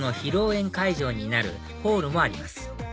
宴会場になるホールもあります